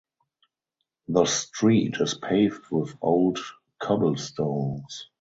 The street is paved with old cobblestones.